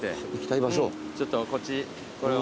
ちょっとこっちこれを。